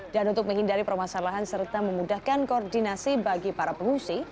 dan untuk menghindari permasalahan serta memudahkan koordinasi bagi para pengungsi